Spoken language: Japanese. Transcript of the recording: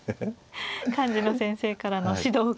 幹事の先生からの指導が。